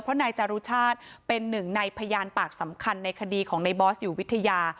เพราะนายจารุชาติเป็นหนึ่งในพยานปากสำคัญในคดีของในบอสอยู่วิทยา